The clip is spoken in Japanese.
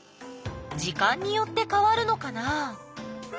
時間によってかわるのかな？